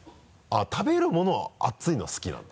食べるもの熱いのは好きなんだ。